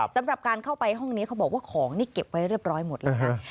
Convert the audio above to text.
สำหรับการเข้าไปห้องนี้เขาบอกว่าของนี่เก็บไว้เรียบร้อยหมดแล้วนะ